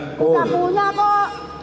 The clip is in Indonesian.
tidak punya kok